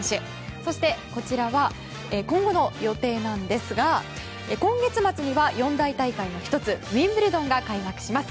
そして、こちらは今後の予定なんですが今月末には四大大会の１つウィンブルドンが開幕します。